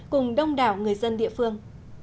cùng đông đảo người dân địa phương